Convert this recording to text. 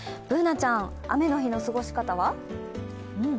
Ｂｏｏｎａちゃん、雨の日の過ごし方は？